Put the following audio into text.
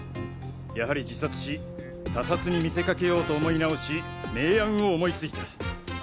やはり自殺し他殺に見せかけようと思い直し名案を思いついた。